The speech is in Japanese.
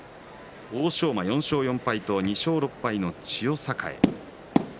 欧勝馬、４勝４敗と２勝６敗の千代栄。